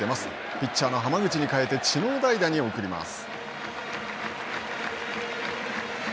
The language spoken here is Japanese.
ピッチャーの浜口に代えて知野を代打に送ります。